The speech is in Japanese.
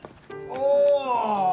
ああ！